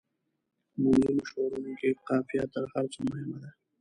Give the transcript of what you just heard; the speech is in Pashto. په منظومو شعرونو کې قافیه تر هر څه مهمه ده.